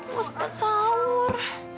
mau sempat sahur